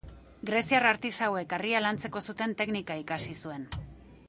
Greziar artisauek harria lantzeko zuten teknika ikasi zuen.